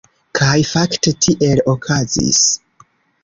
Kaj fakte tiel okazis.